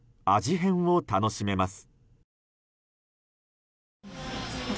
変を楽しめます。